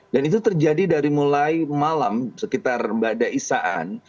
dan itu terjadi dari mulai malam sekitar badaisaan